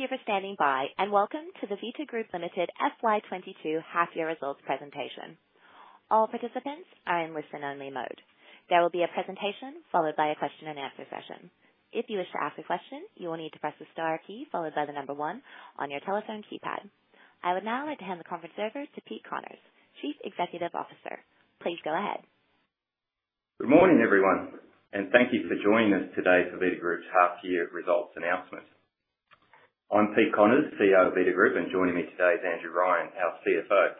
Thank you for standing by, and welcome to the Vita Group Limited FY 2022 half year results presentation. All participants are in listen only mode. There will be a presentation followed by a question-and-answer session. If you wish to ask a question, you will need to press the star key followed by the number one on your telephone keypad. I would now like to hand the conference over to Peter Connors, Chief Executive Officer. Please go ahead. Good morning, everyone, and thank you for joining us today for Vita Group's half year results announcement. I'm Peter Connors, CEO of Vita Group, and joining me today is Andrew Ryan, our CFO.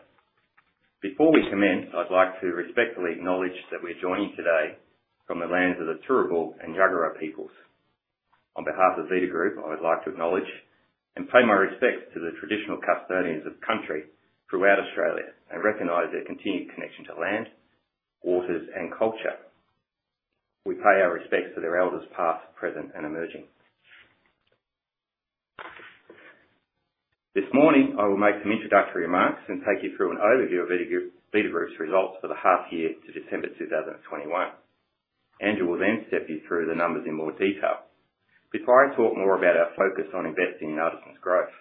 Before we commence, I'd like to respectfully acknowledge that we're joining you today from the lands of the Turrbal and Jagera peoples. On behalf of Vita Group, I would like to acknowledge and pay my respects to the traditional custodians of the country throughout Australia and recognize their continued connection to land, waters and culture. We pay our respects to their elders, past, present, and emerging. This morning I will make some introductory remarks and take you through an overview of Vita Group's results for the half year to December 2021. Andrew will then step you through the numbers in more detail. Before I talk more about our focus on investing in Artisan's growth,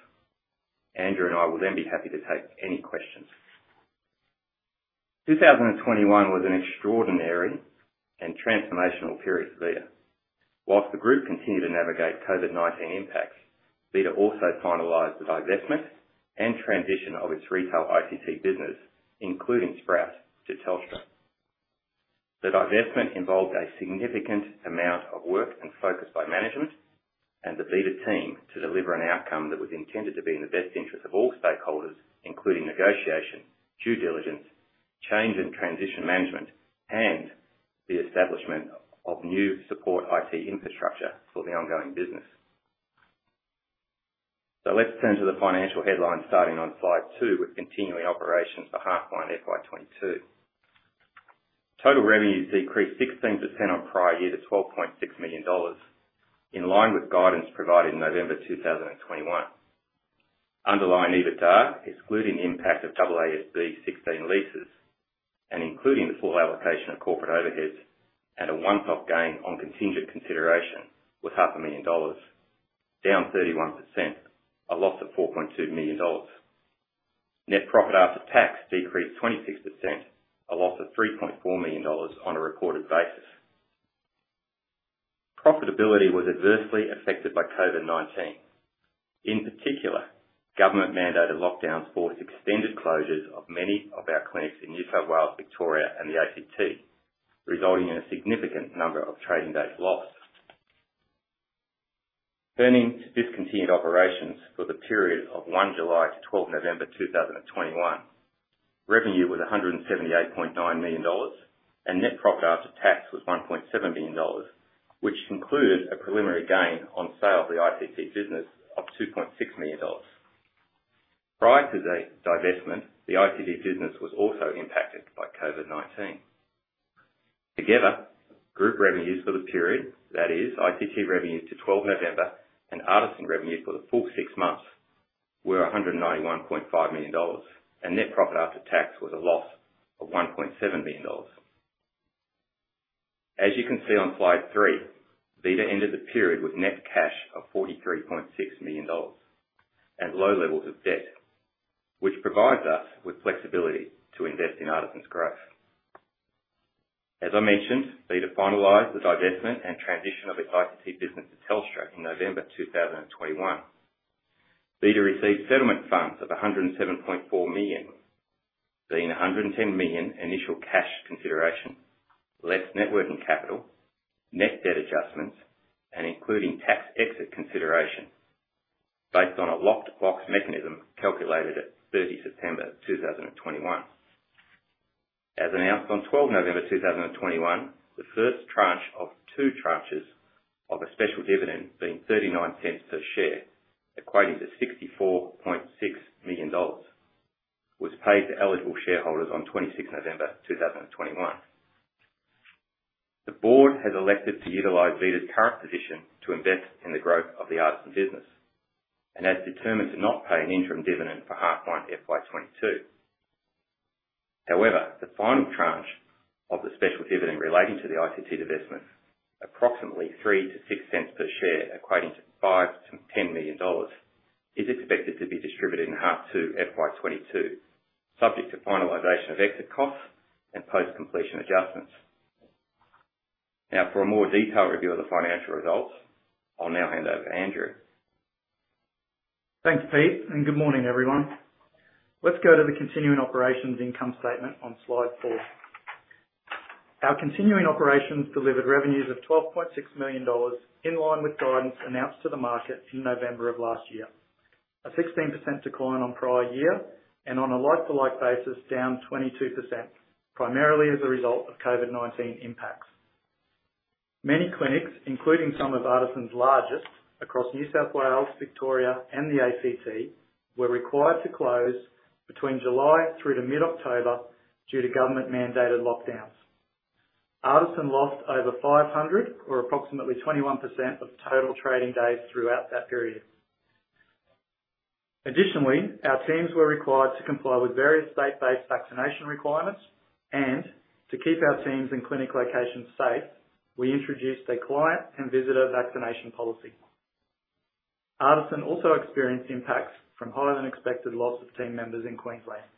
Andrew and I will then be happy to take any questions. 2021 was an extraordinary and transformational period for Vita. While the group continued to navigate COVID-19 impacts, Vita also finalized the divestment and transition of its retail ICT business, including Sprout, to Telstra. The divestment involved a significant amount of work and focus by management and the Vita team to deliver an outcome that was intended to be in the best interest of all stakeholders, including negotiation, due diligence, change and transition management, and the establishment of new support IT infrastructure for the ongoing business. Let's turn to the financial headlines starting on slide two with continuing operations for H1 FY 2022. Total revenues decreased 16% on prior year to 12.6 million dollars, in line with guidance provided in November 2021. Underlying EBITDA, excluding the impact of AASB 16 leases and including the full allocation of corporate overheads and a one-off gain on contingent consideration was half a million dollars, down 31%, a loss of 4.2 million dollars. Net profit after tax decreased 26%, a loss of 3.4 million dollars on a recorded basis. Profitability was adversely affected by COVID-19. In particular, government-mandated lockdowns forced extended closures of many of our clinics in New South Wales, Victoria, and the ACT, resulting in a significant number of trading days lost. Turning to discontinued operations for the period of 1 July to 12 November 2021. Revenue was 178.9 million dollars and net profit after tax was 1.7 million dollars, which included a preliminary gain on sale of the ICT business of 2.6 million dollars. Prior to the divestment, the ICT business was also impacted by COVID-19. Together, group revenues for the period, that is ICT revenues to 12 November and Artisan revenue for the full six months, were 191.5 million dollars, and net profit after tax was a loss of 1.7 million dollars. As you can see on slide three, Vita ended the period with net cash of 43.6 million dollars and low levels of debt, which provides us with flexibility to invest in Artisan's growth. As I mentioned, Vita finalized the divestment and transition of its ICT business to Telstra in November 2021. Vita received settlement funds of AUD 107.4 million, being AUD 110 million initial cash consideration, less net working capital, net debt adjustments, and including tax exit consideration based on a locked box mechanism calculated at 30 September 2021. As announced on 12 November 2021, the first tranche of two tranches of a special dividend being 39 cents per share, equating to 64.6 million dollars, was paid to eligible shareholders on 26 November 2021. The board has elected to utilize Vita's current position to invest in the growth of the Artisan business and has determined to not pay an interim dividend for half one FY 2022. However, the final tranche of the special dividend relating to the ICT divestment, approximately 0.03-0.06 per share, equating to 5 million-10 million dollars, is expected to be distributed in H2 FY 2022, subject to finalization of exit costs and post-completion adjustments. For a more detailed review of the financial results, I'll hand over to Andrew. Thanks, Pete, and good morning, everyone. Let's go to the continuing operations income statement on slide four. Our continuing operations delivered revenues of 12.6 million dollars, in line with guidance announced to the market in November of last year. A 16% decline on prior year and on a like-for-like basis, down 22%, primarily as a result of COVID-19 impacts. Many clinics, including some of Artisan's largest across New South Wales, Victoria, and the ACT, were required to close from July through to mid-October due to government-mandated lockdowns. Artisan lost over 500 or approximately 21% of total trading days throughout that period. Additionally, our teams were required to comply with various state-based vaccination requirements and to keep our teams in clinic locations safe, we introduced a client and visitor vaccination policy. Artisan also experienced impacts from higher than expected loss of team members in Queensland.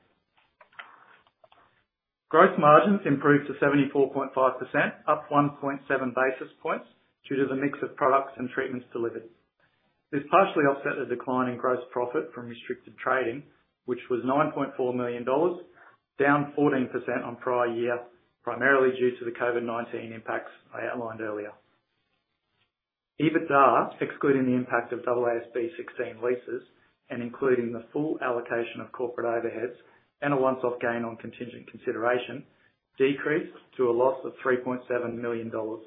Gross margins improved to 74.5%, up 1.7 basis points due to the mix of products and treatments delivered. This partially offset a decline in gross profit from restricted trading, which was 9.4 million dollars, down 14% on prior year, primarily due to the COVID-19 impacts I outlined earlier. EBITDA, excluding the impact of AASB 16 leases and including the full allocation of corporate overheads and a one-off gain on contingent consideration, decreased to a loss of 3.7 million dollars.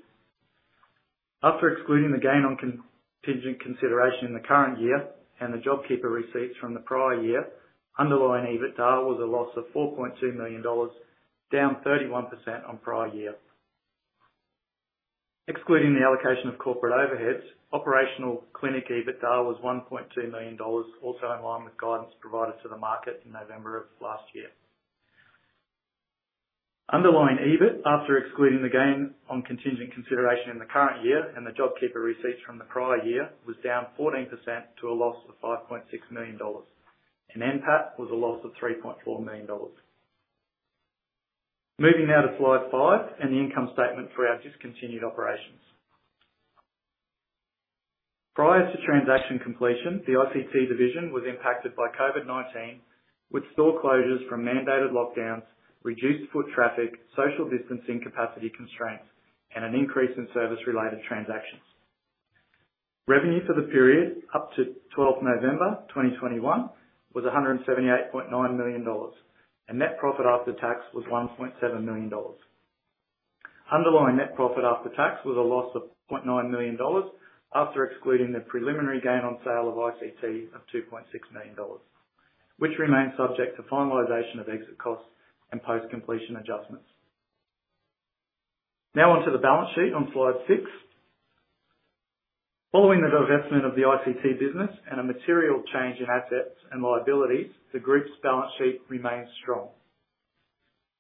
After excluding the gain on contingent consideration in the current year and the JobKeeper receipts from the prior year, underlying EBITDA was a loss of 4.2 million dollars, down 31% on prior year. Excluding the allocation of corporate overheads, operational clinic EBITDA was 1.2 million dollars, also in line with guidance provided to the market in November of last year. Underlying EBIT after excluding the gain on contingent consideration in the current year and the JobKeeper receipts from the prior year was down 14% to a loss of 5.6 million dollars and NPAT was a loss of 3.4 million dollars. Moving now to slide five and the income statement for our discontinued operations. Prior to transaction completion, the ICT division was impacted by COVID-19 with store closures from mandated lockdowns, reduced foot traffic, social distancing capacity constraints, and an increase in service-related transactions. Revenue for the period up to 12th November 2021 was 178.9 million dollars and net profit after tax was 1.7 million dollars. Underlying net profit after tax was a loss of 0.9 million dollars after excluding the preliminary gain on sale of ICT of 2.6 million dollars, which remains subject to finalization of exit costs and post-completion adjustments. Now on to the balance sheet on slide six. Following the divestment of the ICT business and a material change in assets and liabilities, the group's balance sheet remains strong.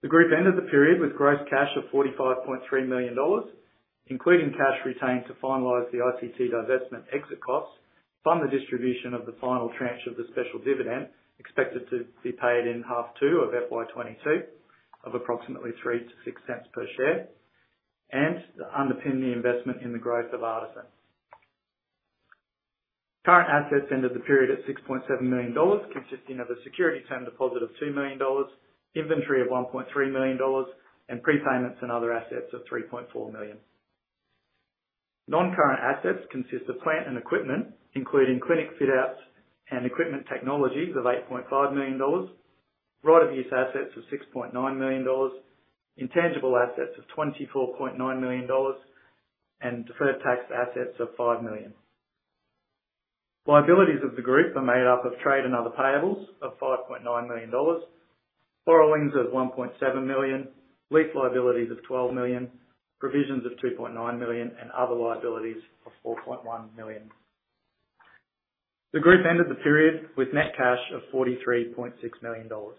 The group ended the period with gross cash of 45.3 million dollars, including cash retained to finalize the ICT divestment exit costs from the distribution of the final tranche of the special dividend expected to be paid in H2 of FY 2022 of approximately 0.03-0.06 per share and to underpin the investment in the growth of Artisan. Current assets ended the period at 6.7 million dollars, consisting of a security term deposit of 2 million dollars, inventory of 1.3 million dollars, and prepayments and other assets of 3.4 million. Non-current assets consist of plant and equipment, including clinic fit-outs and equipment technologies of 8.5 million dollars, right-of-use assets of 6.9 million dollars, intangible assets of 24.9 million dollars, and deferred tax assets of 5 million. Liabilities of the group are made up of trade and other payables of 5.9 million dollars, borrowings of 1.7 million, lease liabilities of 12 million, provisions of 2.9 million, and other liabilities of 4.1 million. The group ended the period with net cash of 43.6 million dollars.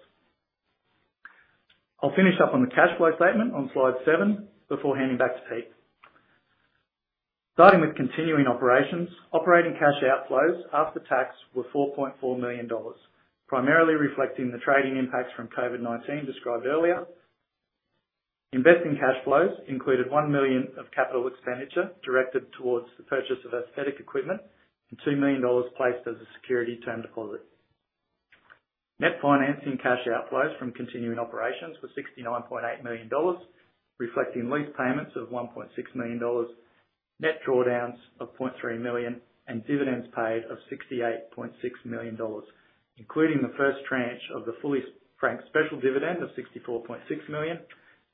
I'll finish up on the cash flow statement on slide seven before handing back to Pete. Starting with continuing operations, operating cash outflows after tax were 4.4 million dollars, primarily reflecting the trading impacts from COVID-19 described earlier. Investing cash flows included 1 million of capital expenditure directed towards the purchase of aesthetic equipment and 2 million dollars placed as a security term deposit. Net financing cash outflows from continuing operations was 69.8 million dollars, reflecting lease payments of 1.6 million dollars, net drawdowns of 0.3 million, and dividends paid of 68.6 million dollars, including the first tranche of the fully franked special dividend of 64.6 million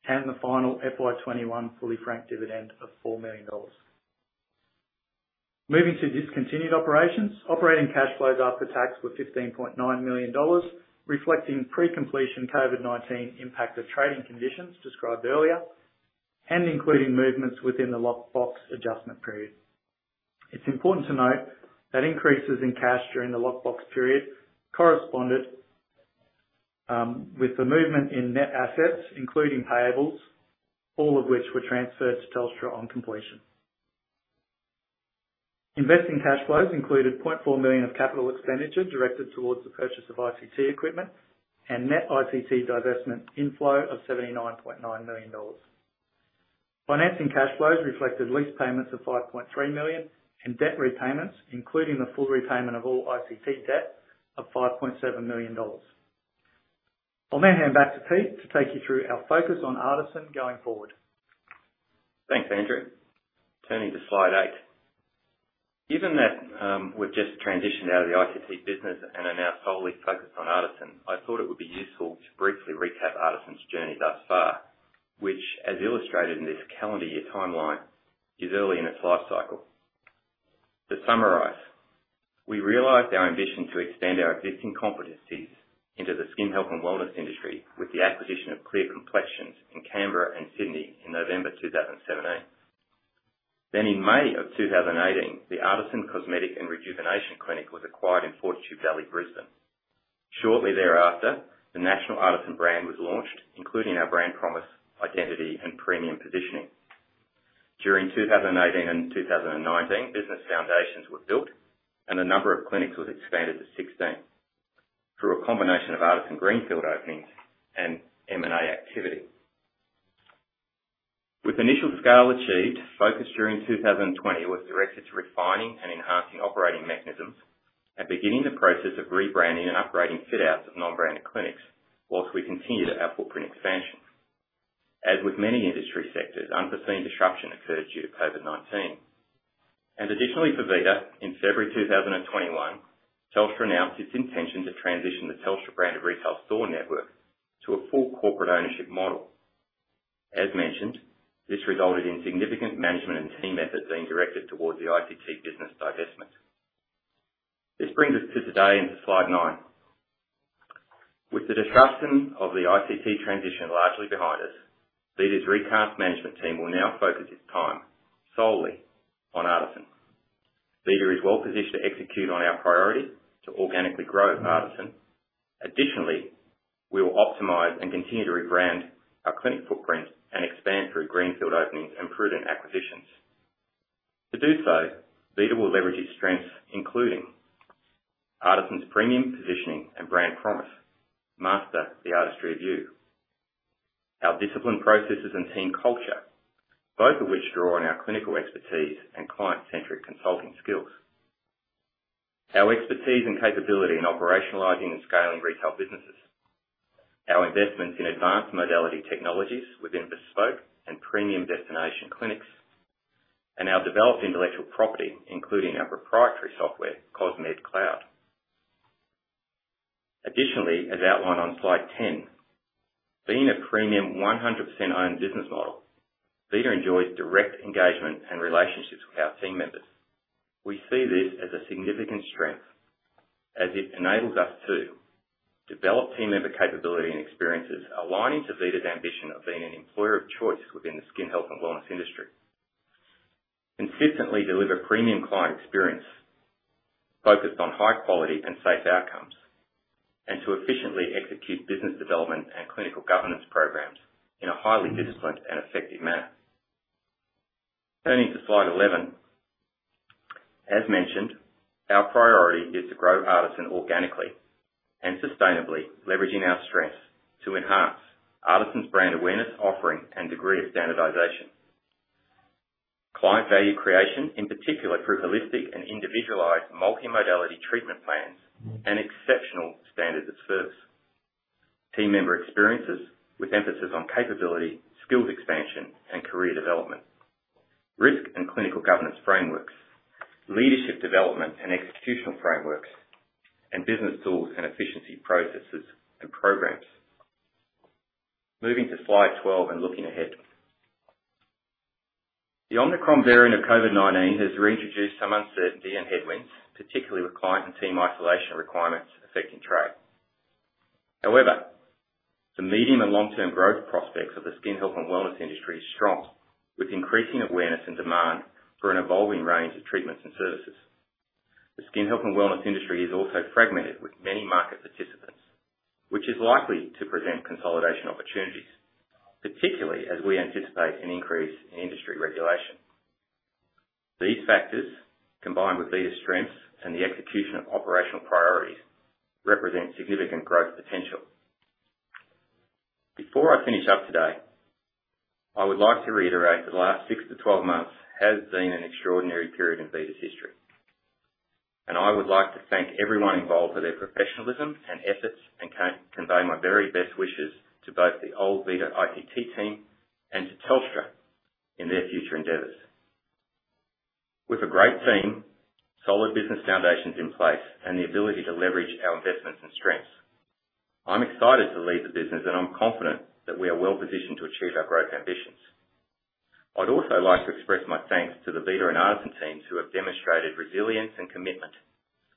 and the final FY 2021 fully franked dividend of 4 million dollars. Moving to discontinued operations, operating cash flows after tax were 15.9 million dollars, reflecting pre-completion COVID-19 impact of trading conditions described earlier and including movements within the lockbox adjustment period. It's important to note that increases in cash during the lockbox period corresponded with the movement in net assets, including payables, all of which were transferred to Telstra on completion. Investing cash flows included 0.4 million of capital expenditure directed towards the purchase of ICT equipment and net ICT divestment inflow of 79.9 million dollars. Financing cash flows reflected lease payments of 5.3 million and debt repayments, including the full repayment of all ICT debt of 5.7 million dollars. I'll now hand back to Pete to take you through our focus on Artisan going forward. Thanks, Andrew. Turning to slide eight. Given that we've just transitioned out of the ICT business and are now solely focused on Artisan, I thought it would be useful to briefly recap Artisan's journey thus far, which as illustrated in this calendar year timeline, is early in its life cycle. To summarize, we realized our ambition to extend our existing competencies into the skin health and wellness industry with the acquisition of Clear Complexions in Canberra and Sydney in November 2017. In May of 2018, the Artisan Cosmetic and Rejuvenation Clinic was acquired in Fortitude Valley, Brisbane. Shortly thereafter, the national Artisan brand was launched, including our brand promise, identity, and premium positioning. During 2018 and 2019, business foundations were built and the number of clinics was expanded to 16 through a combination of Artisan greenfield openings and M&A activity. With initial scale achieved, focus during 2020 was directed to refining and enhancing operating mechanisms and beginning the process of rebranding and upgrading fit-outs of non-branded clinics while we continued our footprint expansion. As with many industry sectors, unforeseen disruption occurred due to COVID-19. Additionally for Vita, in February 2021, Telstra announced its intention to transition the Telstra brand of retail store network to a full corporate ownership model. As mentioned, this resulted in significant management and team effort being directed towards the ICT business divestment. This brings us to today and to slide nine. With the disruption of the ICT transition largely behind us, Vita's recast management team will now focus its time solely on Artisan. Vita is well positioned to execute on our priority to organically grow Artisan. Additionally, we will optimize and continue to rebrand our clinic footprint and expand through greenfield openings and prudent acquisitions. To do so, Vita will leverage its strengths, including Artisan's premium positioning and brand promise, "Master the artistry of you," our disciplined processes and team culture, both of which draw on our clinical expertise and client-centric consulting skills, our expertise and capability in operationalizing and scaling retail businesses, our investments in advanced modality technologies within bespoke and premium destination clinics, and our developed intellectual property, including our proprietary software, cosmedcloud. Additionally, as outlined on slide 10, being a premium 100% owned business model, Vita enjoys direct engagement and relationships with our team members. We see this as a significant strength as it enables us to develop team member capability and experiences aligning to Vita's ambition of being an employer of choice within the skin health and wellness industry, consistently deliver premium client experience focused on high quality and safe outcomes, and to efficiently execute business development and clinical governance programs in a highly disciplined and effective manner. Turning to slide 11. As mentioned, our priority is to grow Artisan organically and sustainably, leveraging our strengths to enhance Artisan's brand awareness, offering, and degree of standardization, client value creation in particular through holistic and individualized multi-modality treatment plans and exceptional standards of service, team member experiences with emphasis on capability, skills expansion, and career development, risk and clinical governance frameworks, leadership development and executional frameworks, and business tools and efficiency processes and programs. Moving to slide 12 and looking ahead. The Omicron variant of COVID-19 has reintroduced some uncertainty and headwinds, particularly with client and team isolation requirements affecting trade. However, the medium and long-term growth prospects of the skin health and wellness industry is strong, with increasing awareness and demand for an evolving range of treatments and services. The skin health and wellness industry is also fragmented with many market participants, which is likely to present consolidation opportunities, particularly as we anticipate an increase in industry regulation. These factors, combined with Vita's strengths and the execution of operational priorities, represent significant growth potential. Before I finish up today, I would like to reiterate the last 6-12 months has been an extraordinary period in Vita's history, and I would like to thank everyone involved for their professionalism and efforts and convey my very best wishes to both the old Vita ICT team and to Telstra in their future endeavors. With a great team, solid business foundations in place, and the ability to leverage our investments and strengths, I'm excited to lead the business, and I'm confident that we are well positioned to achieve our growth ambitions. I'd also like to express my thanks to the Vita and Artisan teams who have demonstrated resilience and commitment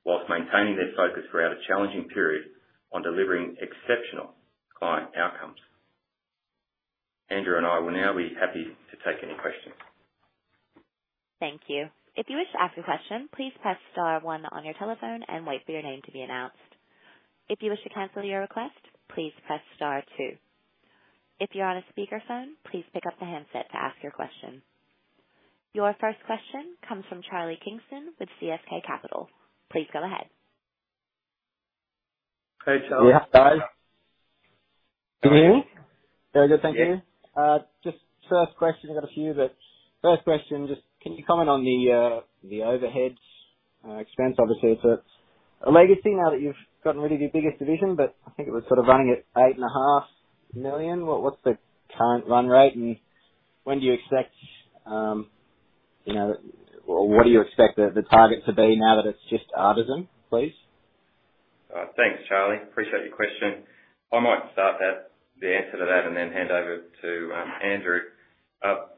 while maintaining their focus throughout a challenging period on delivering exceptional client outcomes. Andrew and I will now be happy to take any questions. Thank you. Your first question comes from Charlie Kingston with CSK Capital. Please go ahead. Hey, Charlie. Yeah, guys. Can you hear me? Yeah. Very good, thank you. Just first question. I've got a few, but first question, just can you comment on the overheads expense? Obviously, it's a legacy now that you've gotten rid of your biggest division, but I think it was sort of running at 8.5 million. What's the current run rate and when do you expect, you know, or what do you expect the target to be now that it's just Artisan, please? Thanks, Charlie. Appreciate your question. I might start that, the answer to that, and then hand over to Andrew. I'll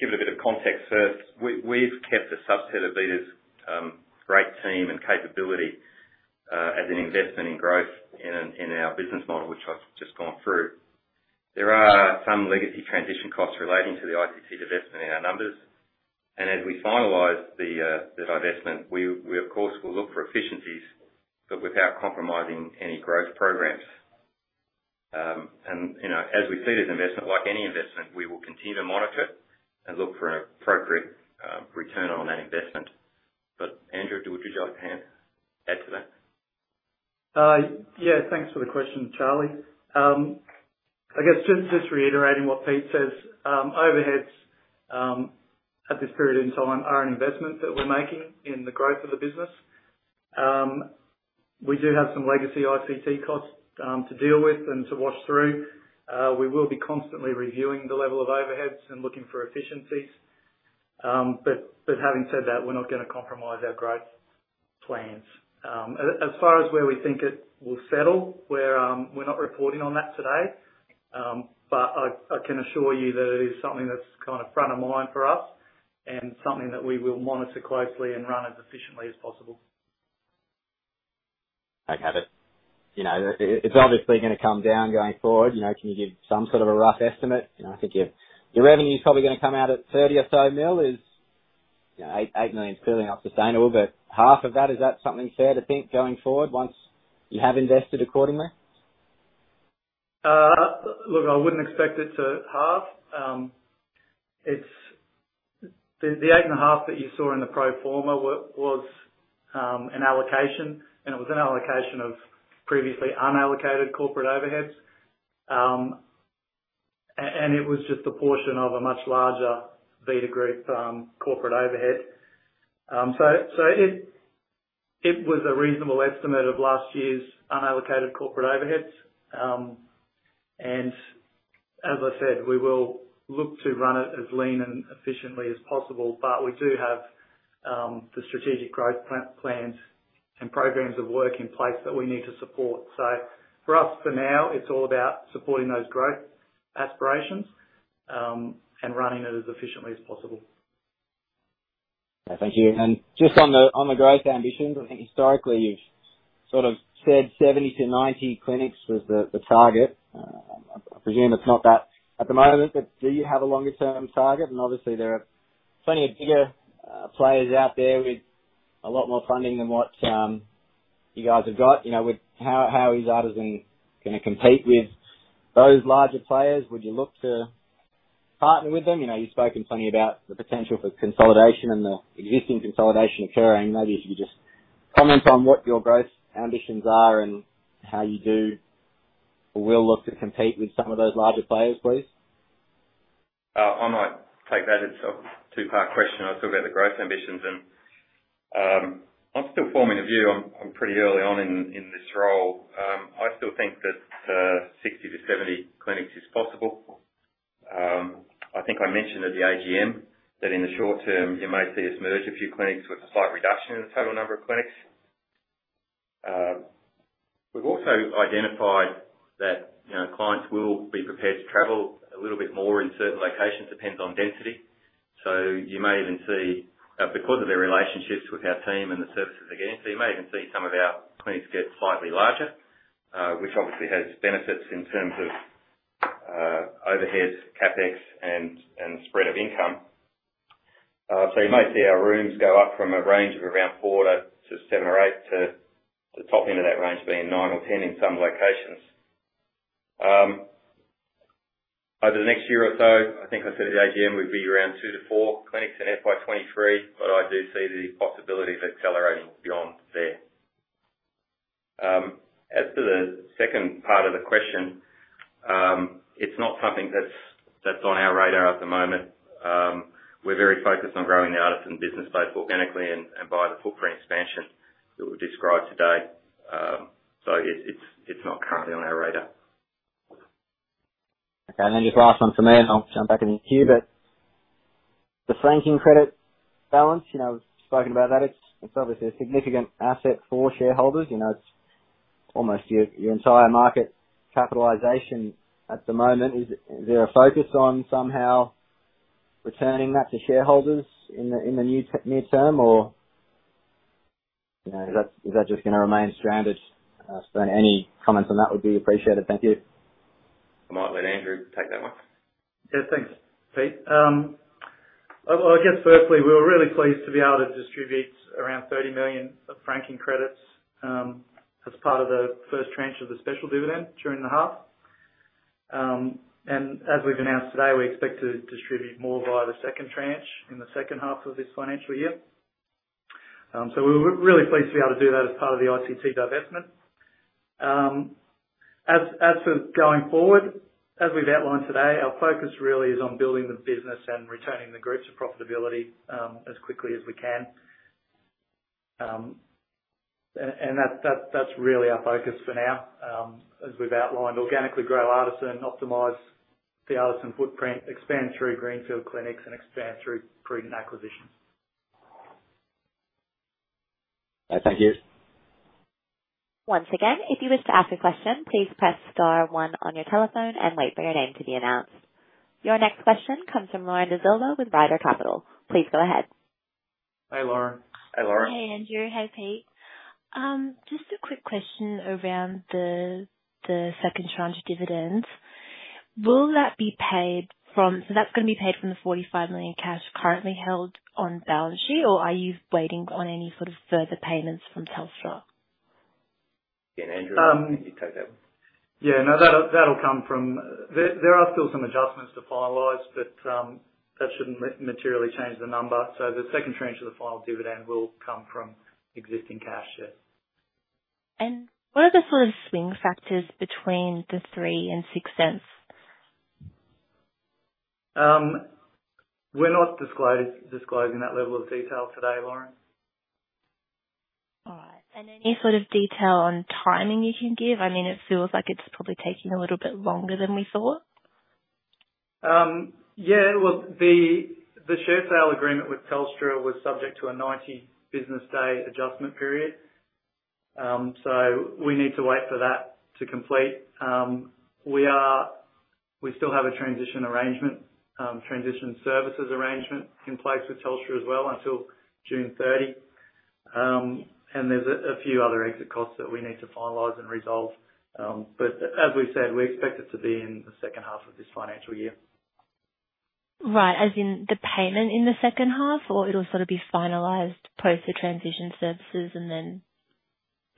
give it a bit of context first. We've kept a subset of Vita's great team and capability as an investment in growth in our business model, which I've just gone through. There are some legacy transition costs relating to the ICT divestment in our numbers. As we finalize the divestment, we of course will look for efficiencies, but without compromising any growth programs. You know, as we said, investment, like any investment, we will continue to monitor it and look for an appropriate return on that investment. Andrew, would you like to add to that? Thanks for the question, Charlie. I guess just reiterating what Pete says, overheads at this period in time are an investment that we're making in the growth of the business. We do have some legacy ICT costs to deal with and to wash through. We will be constantly reviewing the level of overheads and looking for efficiencies. Having said that, we're not gonna compromise our growth plans. As far as where we think it will settle, we're not reporting on that today. I can assure you that it is something that's kinda front of mind for us and something that we will monitor closely and run as efficiently as possible. Okay. You know, it's obviously gonna come down going forward. You know, can you give some sort of a rough estimate? You know, I think your revenue is probably gonna come out at 30 million or so. You know, 8 million is clearly not sustainable, but half of that, is that something fair to think going forward once you have invested accordingly? Look, I wouldn't expect it to halve. The 8.5 million that you saw in the pro forma was an allocation, and it was an allocation of previously unallocated corporate overheads. It was just a portion of a much larger Vita Group corporate overhead. It was a reasonable estimate of last year's unallocated corporate overheads. As I said, we will look to run it as lean and efficiently as possible, but we do have the strategic growth plans and programs of work in place that we need to support. For us, for now, it's all about supporting those growth aspirations and running it as efficiently as possible. Yeah. Thank you. Just on the growth ambitions, I think historically you've sort of said 70-90 clinics was the target. I presume it's not that at the moment, but do you have a longer-term target? Obviously there are plenty of bigger players out there with a lot more funding than what you guys have got. You know, with how is Artisan gonna compete with those larger players? Would you look to partner with them? You know, you've spoken plenty about the potential for consolidation and the existing consolidation occurring. Maybe if you could just comment on what your growth ambitions are and how you do or will look to compete with some of those larger players, please. I might take that. It's a two-part question. I'll talk about the growth ambitions and I'm still forming a view. I'm pretty early on in this role. I still think that 60-70 clinics is possible. I think I mentioned at the AGM that in the short term you may see us merge a few clinics with a slight reduction in the total number of clinics. We've also identified that, you know, clients will be prepared to travel a little bit more in certain locations. It depends on density. You may even see some of our clinics get slightly larger because of their relationships with our team and the services they're getting, which obviously has benefits in terms of overheads, CapEx and spread of income. You may see our rooms go up from a range of around four to seven or eight to the top end of that range being nine or 10 in some locations. Over the next year or so, I think I said at AGM we'd be around 2-4 clinics in FY 2023, but I do see the possibility of accelerating beyond there. As to the second part of the question, it's not something that's on our radar at the moment. We're very focused on growing the Artisan business both organically and via the footprint expansion that we've described today. It's not currently on our radar. Okay. Just last one from me, and I'll jump back in the queue. The franking credit balance, you know, we've spoken about that. It's obviously a significant asset for shareholders. You know, it's almost your entire market capitalization at the moment. Is there a focus on somehow returning that to shareholders in the near term? Or, you know, is that just gonna remain stranded? Any comments on that would be appreciated. Thank you. I might let Andrew take that one. Yeah. Thanks, Pete. Well, I guess firstly, we were really pleased to be able to distribute around 30 million of franking credits as part of the first tranche of the special dividend during the half. As we've announced today, we expect to distribute more via the second tranche in the second half of this financial year. We're really pleased to be able to do that as part of the ICT divestment. As for going forward, as we've outlined today, our focus really is on building the business and returning the groups to profitability as quickly as we can. That's really our focus for now. As we've outlined, organically grow Artisan, optimize the Artisan footprint, expand through greenfield clinics and expand through prudent acquisitions. Thank you. Once again, if you wish to ask a question, please press star one on your telephone and wait for your name to be announced. Your next question comes from Lauren De Zilva with Ryder Capital. Please go ahead. Hi, Lauren. Hi, Lauren. Hey, Andrew. Hey, Pete. Just a quick question around the second tranche of dividends. Will that be paid from the 45 million cash currently held on balance sheet, or are you waiting on any sort of further payments from Telstra? Yeah, Andrew, can you take that one? Yeah. No, that'll come from there. There are still some adjustments to finalize, but that shouldn't materially change the number. The second tranche of the final dividend will come from existing cash, yes. What are the sort of swing factors between 0.03 and 0.06? We're not disclosing that level of detail today, Lauren. All right. Any sort of detail on timing you can give? I mean, it feels like it's probably taking a little bit longer than we thought. Yeah. Well, the share sale agreement with Telstra was subject to a 90-business day adjustment period. We need to wait for that to complete. We still have a transition arrangement, transition services arrangement in place with Telstra as well, until June 30. There's a few other exit costs that we need to finalize and resolve. As we've said, we expect it to be in the second half of this financial year. Right. As in the payment in the second half, or it'll sort of be finalized post the transition services and then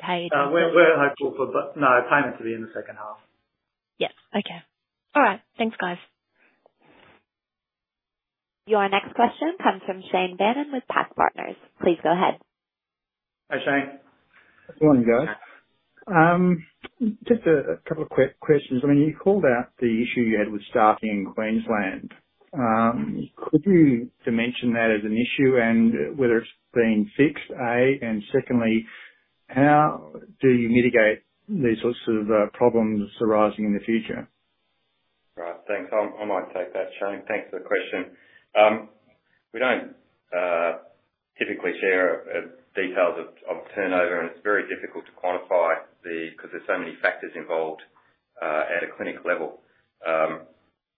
paid? We're hopeful for payment to be in the second half. Yeah. Okay. All right. Thanks, guys. Your next question comes from Shane Bannan with PAC Partners. Please go ahead. Hi, Shane. Good morning, guys. Just a couple quick questions. I mean, you called out the issue you had with staffing in Queensland. Could you dimension that as an issue and whether it's been fixed, A? Secondly, how do you mitigate these sorts of problems arising in the future? Right. Thanks. I might take that, Shane. Thanks for the question. We don't typically share details of turnover, and it's very difficult to quantify the 'cause there's so many factors involved at a clinic level.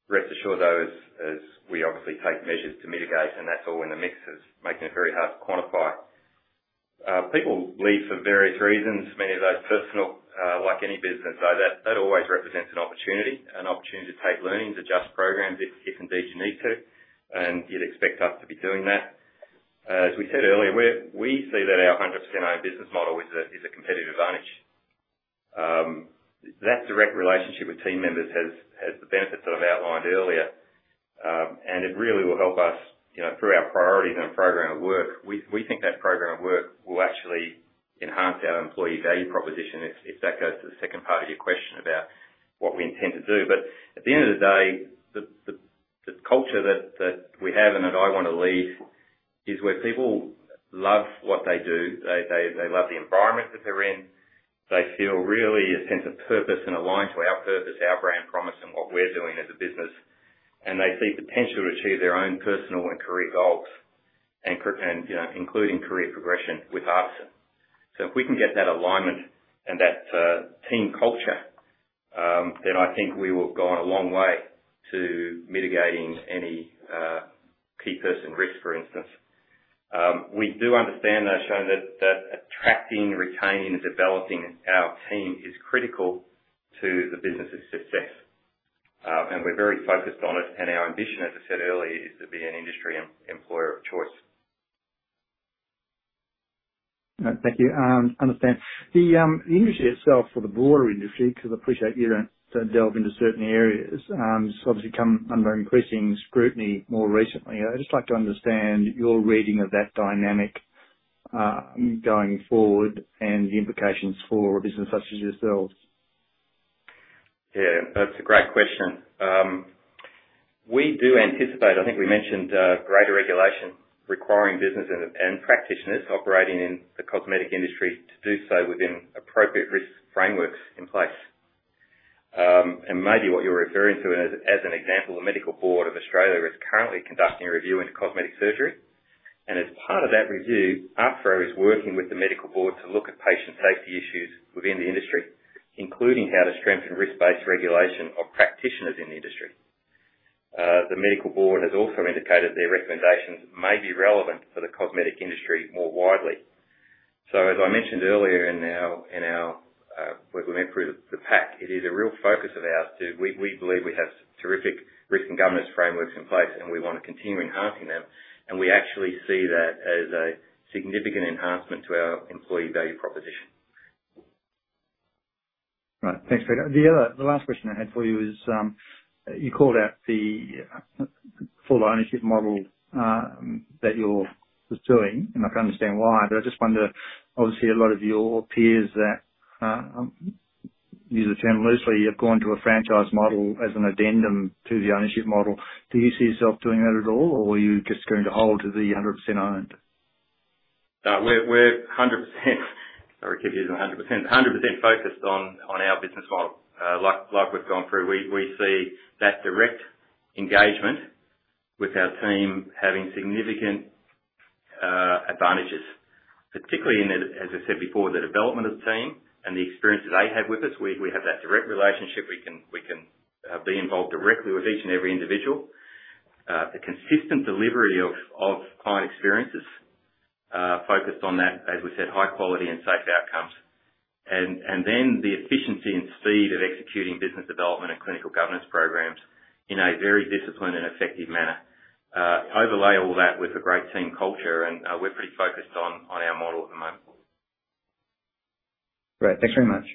Rest assured though, as we obviously take measures to mitigate, and that's all in the mix of making it very hard to quantify. People leave for various reasons. Many of those personal, like any business. That always represents an opportunity to take learnings, adjust programs if indeed you need to, and you'd expect us to be doing that. As we said earlier, we see that our 100% owned business model is a competitive advantage. That direct relationship with team members has the benefits that I've outlined earlier, and it really will help us, you know, through our priorities and our program of work. We think that program of work will actually enhance our employee value proposition if that goes to the second part of your question about what we intend to do. At the end of the day, the culture that we have and that I wanna lead is where people love what they do. They love the environment that they're in. They feel really a sense of purpose and aligned to our purpose, our brand promise, and what we're doing as a business. They see potential to achieve their own personal and career goals and, you know, including career progression with Artisan. If we can get that alignment and that team culture, then I think we will have gone a long way to mitigating any key person risk, for instance. We do understand, though, Shane, that attracting, retaining, and developing our team is critical to the business' success. We're very focused on it. Our ambition, as I said earlier, is to be an industry employer of choice. All right. Thank you. I understand. The industry itself or the broader industry, 'cause I appreciate you don't delve into certain areas, has obviously come under increasing scrutiny more recently. I'd just like to understand your reading of that dynamic, going forward and the implications for a business such as yourselves. Yeah, that's a great question. We do anticipate, I think we mentioned, greater regulation requiring business and practitioners operating in the cosmetic industry to do so within appropriate risk frameworks in place. Maybe what you're referring to as an example, the Medical Board of Australia is currently conducting a review into cosmetic surgery. As part of that review, Ahpra is working with the Medical Board to look at patient safety issues within the industry, including how to strengthen risk-based regulation of practitioners in the industry. The Medical Board has also indicated their recommendations may be relevant for the cosmetic industry more widely. As I mentioned earlier in our, when we went through the PAC, we have terrific risk and governance frameworks in place, and we wanna continue enhancing them. We actually see that as a significant enhancement to our employee value proposition. Right. Thanks, Peter. The last question I had for you is, you called out the full ownership model that you're pursuing, and I can understand why. I just wonder, obviously a lot of your peers that use the term loosely have gone to a franchise model as an addendum to the ownership model. Do you see yourself doing that at all, or are you just going to hold the 100% owned? We're 100%. Sorry to keep using 100%. 100% focused on our business model. Like we've gone through, we see that direct engagement with our team having significant advantages. Particularly in, as I said before, the development of the team and the experience that they have with us, we have that direct relationship. We can be involved directly with each and every individual. The consistent delivery of client experiences focused on that, as we said, high quality and safe outcomes. Then the efficiency and speed of executing business development and clinical governance programs in a very disciplined and effective manner. Overlay all that with a great team culture and we're pretty focused on our model at the moment. Great. Thanks very much.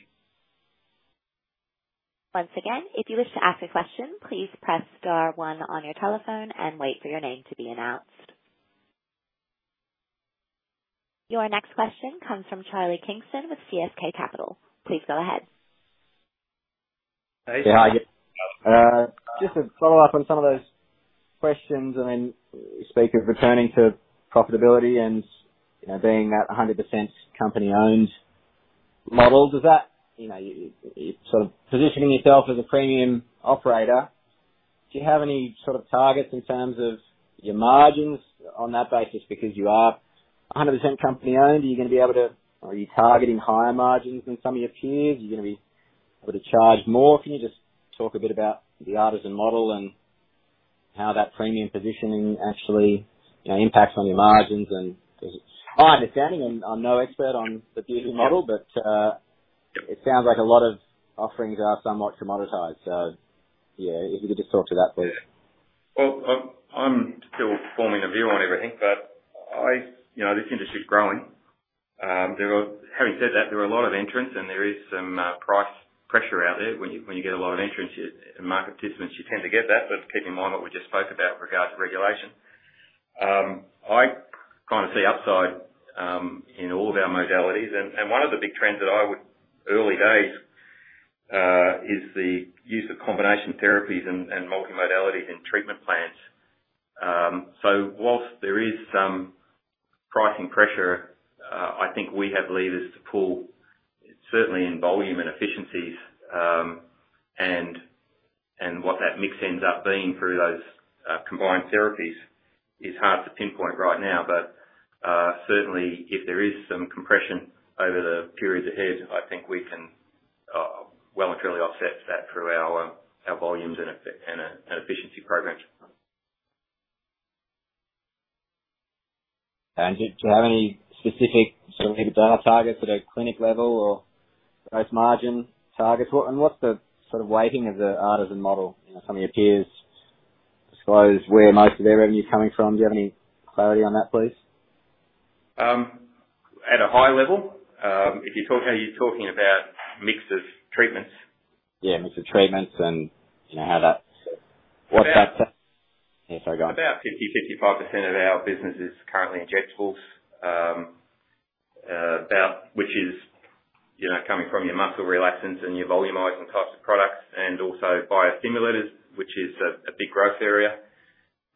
Your next question comes from Charlie Kingston with CSK Capital. Please go ahead. Hey, Charlie. Yeah. Just to follow up on some of those questions, and then you speak of returning to profitability and, you know, being that a 100% company-owned model. Does that, you know, so positioning yourself as a premium operator, do you have any sort of targets in terms of your margins on that basis? Because you are a 100% company-owned, are you gonna be able to? Are you targeting higher margins than some of your peers? Are you gonna be able to charge more? Can you just talk a bit about the Artisan model and how that premium positioning actually, you know, impacts on your margins? My understanding, I'm no expert on the beauty model, but it sounds like a lot of offerings are somewhat commoditized. Yeah, if you could just talk to that, please. Well, I'm still forming a view on everything. You know, this industry is growing. Having said that, there are a lot of entrants, and there is some price pressure out there. When you get a lot of entrants in market participants, you tend to get that. Keep in mind what we just spoke about in regards to regulation. I kinda see upside in all of our modalities. One of the big trends, early days, is the use of combination therapies and multimodality in treatment plans. Whilst there is some pricing pressure, I think we have levers to pull, certainly in volume and efficiencies, and what that mix ends up being through those combined therapies is hard to pinpoint right now. Certainly if there is some compression over the periods ahead, I think we can well and truly offset that through our volumes and efficiency programs. Do you have any specific sort of either dollar targets at a clinic level or gross margin targets? What's the sort of weighting of the Artisan model? You know, some of your peers disclose where most of their revenue is coming from. Do you have any clarity on that, please? At a high level, are you talking about mix of treatments? Yeah, mix of treatments and, you know, how that. About 50-55% of our business is currently injectables, which is, you know, coming from your muscle relaxants and your volumizing types of products and also biostimulators, which is a big growth area.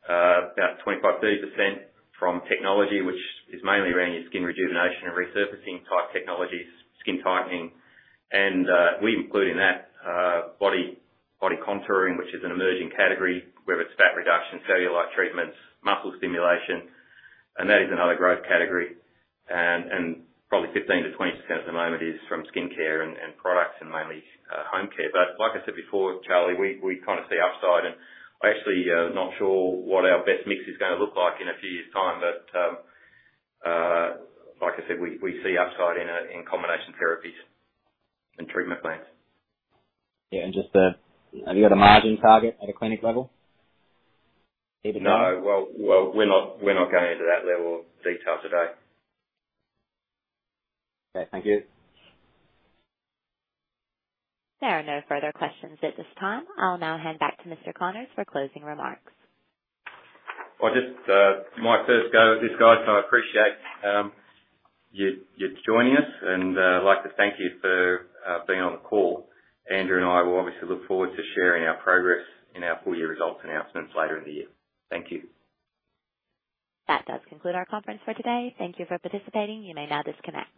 About 25-30% from technology, which is mainly around your skin rejuvenation and resurfacing type technologies, skin tightening. We include in that body contouring, which is an emerging category, whether it's fat reduction, cellulite treatments, muscle stimulation, and that is another growth category. Probably 15%-20% at the moment is from skincare and products and mainly home care. Like I said before, Charlie, we kinda see upside. I actually not sure what our best mix is gonna look like in a few years' time. Like I said, we see upside in combination therapies and treatment plans. Have you got a margin target at a clinic level? No. Well, we're not going into that level of detail today. Okay. Thank you. There are no further questions at this time. I'll now hand back to Mr. Connors for closing remarks. I'll just my first go at this, guys, so I appreciate you joining us. I'd like to thank you for being on the call. Andrew and I will obviously look forward to sharing our progress in our full year results announcements later in the year. Thank you. That does conclude our conference for today. Thank you for participating. You may now disconnect.